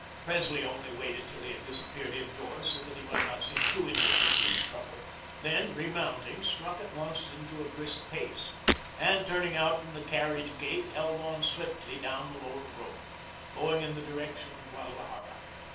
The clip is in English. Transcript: Presley only waited till he had disappeared indoors, so that he might not seem too indifferent to his trouble; then, remounting, struck at once into a brisk pace, and, turning out from the carriage gate, held on swiftly down the Lower Road, going in the direction of Guadalajara.